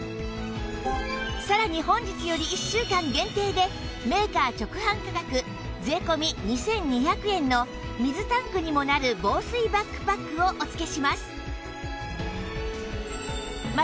さらに本日より１週間限定でメーカー直販価格税込２２００円の水タンクにもなる防水バックパックをお付けします